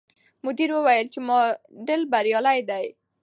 مدیر وویل چې ماډل بریالی دی.